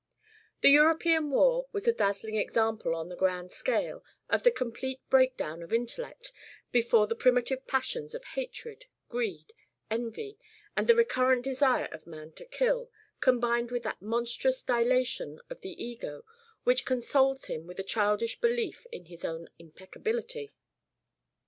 The European war was a dazzling example on the grand scale of the complete breakdown of intellect before the primitive passions of hatred, greed, envy, and the recurrent desire of man to kill, combined with that monstrous dilation of the ego which consoles him with a childish belief in his own impeccability.